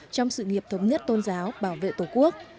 trong sự nghiệp thống nhất tôn giáo bảo vệ tổ quốc